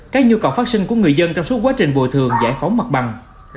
các nhu cầu phát sinh của người dân trong suốt quá trình bồi thường giải phóng mặt bằng